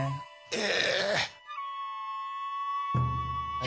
え！